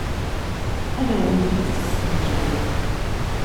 Ad awent-t-id-ssegzuɣ.